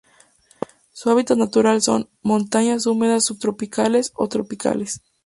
Su hábitat natural son: montañas húmedas subtropicales o tropicales.